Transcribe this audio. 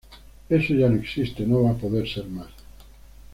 Eso ya no existe, no va a poder ser más.